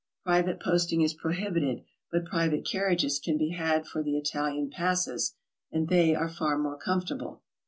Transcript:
Private posting is prohibited, but private carriages can be had for the Italian passes, and they are far more comfortable.